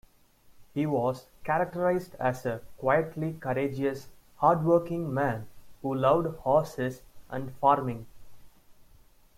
He was characterized as a quietly courageous, hardworking man who loved horses and farming.